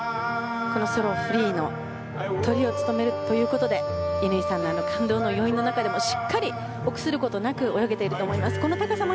このソロフリーのトリを務めるということで乾さんの余韻の中でもしっかりと臆することなく泳げていると思います。